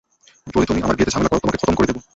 যদি তুমি আমার বিয়েতে ঝামেলা করো, তোমাকে খতম করে দেব।